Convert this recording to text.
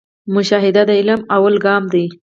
مشاهده د علم لومړی ګام دی